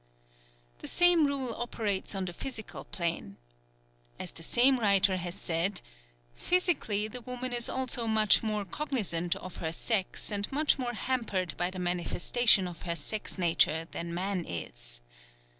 The same rule operates on the physical plane. As the same writer has said: "Physically, the woman is also much more cognizant of her sex and much more hampered by the manifestation of her sex nature than man is."